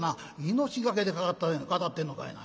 「命懸けで語ってんのかいな。